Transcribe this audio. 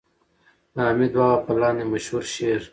د حميد بابا په لاندې مشهور شعر